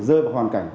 rơi vào hoàn cảnh